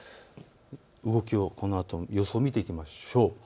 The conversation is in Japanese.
動きをこのあと、予想を見ていきましょう。